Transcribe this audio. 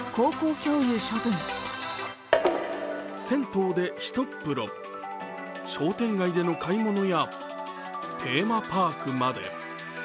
銭湯でひとっ風呂、商店街での買い物やテーマパークまで。